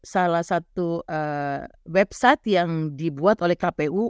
salah satu website yang dibuat oleh kpu